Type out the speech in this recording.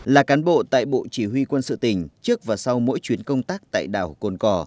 là cán bộ tại bộ chỉ huy quân sự tỉnh trước và sau mỗi chuyến công tác tại đảo cồn cỏ